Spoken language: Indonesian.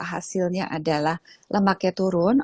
hasilnya adalah lemaknya turun